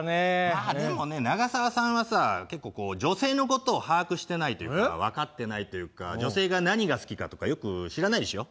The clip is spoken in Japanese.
まあでもね永沢さんはさ結構女性のことを把握してないというか分かってないというか女性が何が好きかとかよく知らないでしょ。